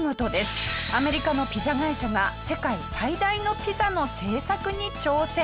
アメリカのピザ会社が世界最大のピザの製作に挑戦。